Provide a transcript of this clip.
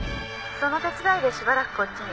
その手伝いでしばらくこっちに。